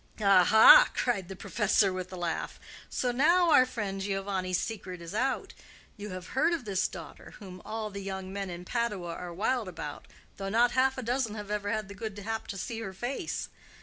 "Aha!" cried the professor, with a laugh. "So now our friend Giovanni's secret is out. You have heard of this daughter, whom all the young men in Padua are wild about, though not half a dozen have ever had the good hap to see her face.